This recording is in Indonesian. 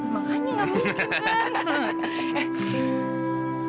makanya gak mungkin kan